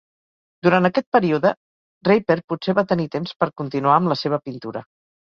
Durant aquest període, Raper potser va tenir temps per continuar amb la seva pintura.